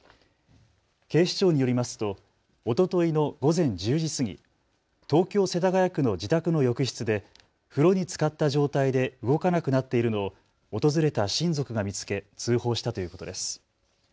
警視庁によりますとおとといの午前１０時過ぎ、東京世田谷区の自宅の浴室で風呂につかった状態で動かなくなっているのを訪れた親族が見つけ、通報したということです。